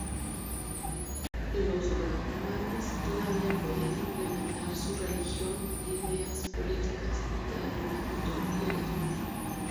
Los brahmanes todavía podían implementar su religión, ideas políticas, literatura, mitología y arte..